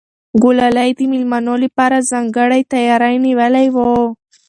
ګلالۍ د مېلمنو لپاره ځانګړی تیاری نیولی و.